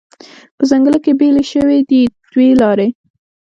په ځنګله کې بیلې شوې دي دوې لارې